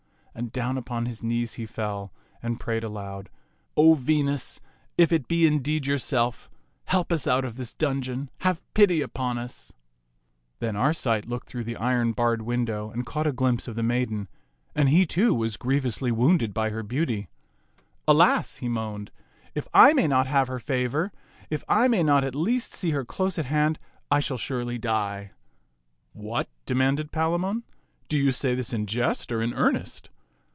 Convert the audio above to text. And down upon his knees he fell, and prayed aloud, " O Venus, if it be indeed yourself, help us out of this dungeon. Have pity upon us !" Then Arcite looked through the iron barred win dow and caught a glimpse of the maiden ; and he, too, was grievously wounded by her beauty. " Alas," he moaned, "if I may not have her favor, if I may not at the least see her close at hand, I shall surely die." "What?" demanded Palamon. "Do you say this in jest or in earnest?"